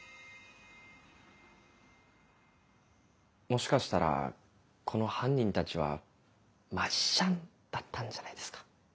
もしかしたらこの犯人たちはマジシャンだったんじゃないですか？